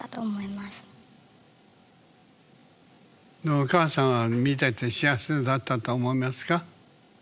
お母さんは見てて幸せだったと思いますか？